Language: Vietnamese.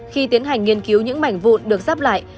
khi tiến hành nghiên cứu những mảnh vụn được ráp lại